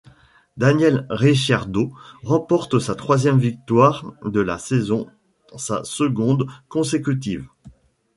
Daniel Ricciardo remporte sa troisième victoire de la saison, sa seconde consécutive.